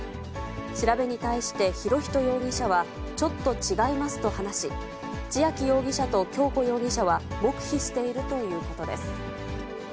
調べに対して、博仁容疑者はちょっと違いますと話し、千秋容疑者と恭子容疑者は黙秘しているということです。